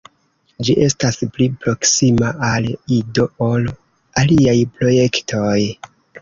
Ĝi estas pli proksima al Ido ol aliaj projektoj.